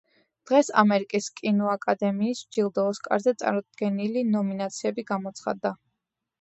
დღეს ამერიკის კინოაკადემიის ჯილდო „ოსკარზე“ წარდგენილი ნომინაციები გამოცხადდა.